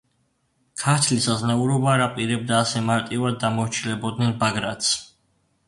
ქართლის აზნაურობა არ აპირებდა ასე მარტივად დამორჩილებოდნენ ბაგრატს.